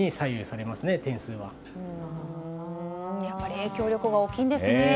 やっぱり影響力が大きいんですね。